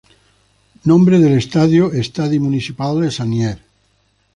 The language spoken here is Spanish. Nombre del estadio Estadi Municipal Sagnier.